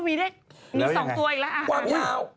มี๒ตัวอีกแล้วโอ้โฮความยาว